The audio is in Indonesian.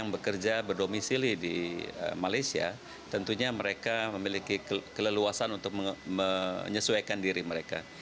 bekerja berdomisili di malaysia tentunya mereka memiliki keleluasan untuk menyesuaikan diri mereka